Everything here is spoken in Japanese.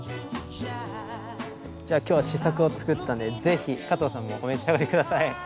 じゃあ今日は試作を作ったんでぜひ加藤さんもお召し上がりください。